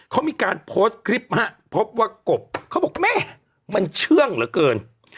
เขามีการโพสต์คลิปฮะพบว่ากบเขาบอกแม่มันเชื่องเหลือเกิน